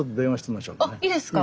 あっいいですか。